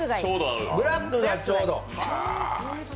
ブラックがちょうど。